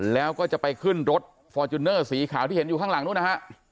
แล้วก็จะไปขึ้นรถฟอร์จูเนอร์สีขาวที่เห็นอยู่ข้างหลังนู้นนะฮะ